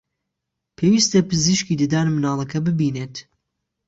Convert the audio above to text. پێویستە پزیشکی ددان منداڵەکە ببینێت